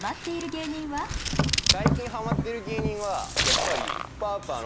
最近ハマってる芸人はやっぱり。